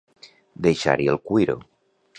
Deixar-hi el cuiro.